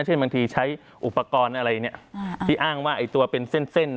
เช่นบางทีใช้อุปกรณ์อะไรเนี่ยที่อ้างว่าไอ้ตัวเป็นเส้น